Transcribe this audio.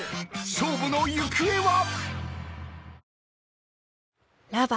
勝負の行方は⁉］